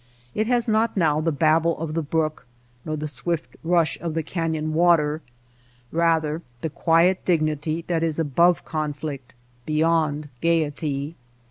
It has not now the babble of the brook nor the swift rush of the canyon water ; rather the quiet dignity that is above conflict, beyond gayety.